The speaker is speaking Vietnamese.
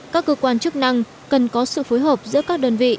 các cơ quan chức năng cần có sự phối hợp giữa các đơn vị